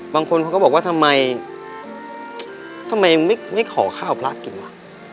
บางคนเขาก็บอกว่าทำไมทำไมไม่ขอข้าวพระกินว่ะ